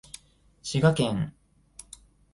滋賀県愛荘町